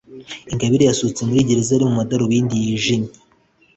Ingabire yasohotse muri gereza ari mu madarubindi yijimye